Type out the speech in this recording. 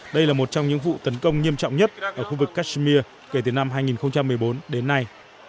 đây là một trong những vụ tấn công nghiêm trọng nhất ở khu vực kashmir kể từ năm hai nghìn một mươi bốn đến nay